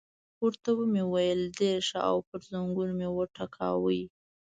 ورته مې وویل: ډېر ښه، او پر زنګون مې وټکاوه.